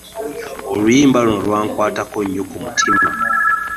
Oluyimba luno lwankwatako nnyo ku mutima .